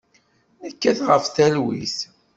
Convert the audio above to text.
Nekkat ɣef talwit.